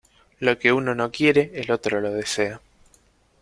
Lo que uno no quiere el otro lo desea.